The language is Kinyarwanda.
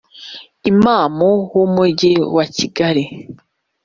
Imamu w’Umujyi wa Kigali